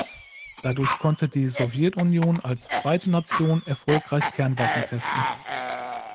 Dadurch konnte die Sowjetunion als zweite Nation erfolgreich Kernwaffen testen.